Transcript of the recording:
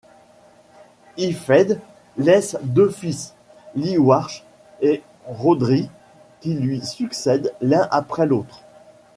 Hyfaidd laisse deux fils, Llywarch et Rhodri, qui lui succèdent l'un après l'autre.